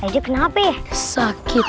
aida kenapa ya sakit